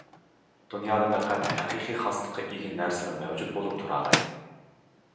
دۇنيادا پەقەت ھەقىقىي خاسلىققا ئىگە نەرسىلا مەۋجۇت بولۇپ تۇرالايدۇ.